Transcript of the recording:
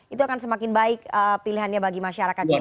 itu akan semakin baik pilihannya bagi masyarakat juga